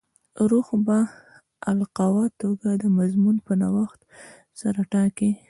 روح په باالقوه توګه د مضمون په نوښت سره ټاکي.